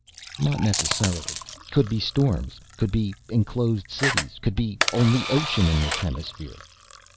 "Not necessarily. Could be storms. Could be enclosed cities. Could be only ocean in this hemisphere."